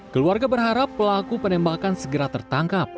keluarga berharap pelaku penembakan segera tertangkap